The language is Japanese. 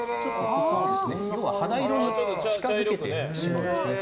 要は肌色に近づけてしまうんですね。